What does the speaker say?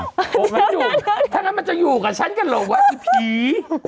มันอยู่ถ้างั้นมันจะอยู่กับฉันกันเหรอวะอีผี